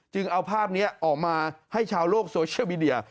เอาภาพนี้ออกมาให้ชาวโลกโซเชียลมีเดีย